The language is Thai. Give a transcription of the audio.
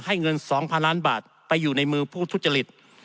เงิน๒๐๐๐ล้านบาทไปอยู่ในมือผู้ทุจริต